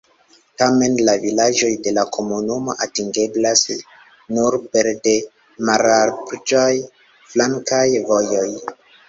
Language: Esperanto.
Tamen la vilaĝoj de la komunumo atingeblas nur pere de mallarĝaj flankaj vojoj.